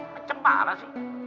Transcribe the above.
macem mana sih